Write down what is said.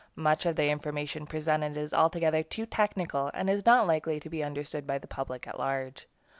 Much of the information presented is altogether too technical, and is not likely to be understood by the public at large.